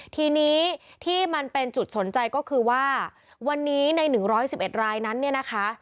ทีนี้ที่มันเป็นจุดสนใจก็คือว่าวันนี้ใน๑๑๑รายนั้นเนี่ยนะคะ